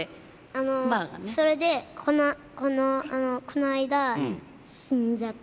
あのあのそれでこの間死んじゃって。